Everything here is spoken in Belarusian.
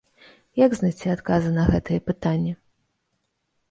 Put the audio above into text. Як знайсці адказы на гэтыя пытанні?